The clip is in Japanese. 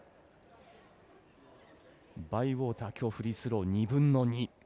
バイウォーター、きょうフリースロー２分の２。